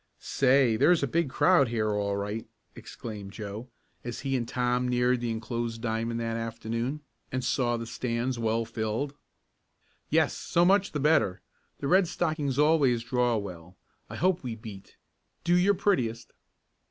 "Say, there's a big crowd here all right!" exclaimed Joe, as he and Tom neared the enclosed diamond that afternoon, and saw the stands well filled. "Yes, so much the better. The Red Stockings always draw well. I hope we beat. Do your prettiest."